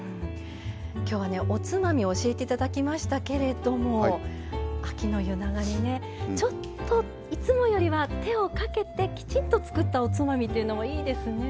今日はおつまみを教えていただきましたけれども秋の夜長にちょっと、いつもよりは手をかけて、きちんと作ったおつまみっていうのもいいですね。